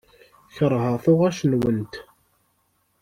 Keṛheɣ tuɣac-nwent.